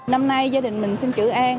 năm nay gia đình mình xin chữ an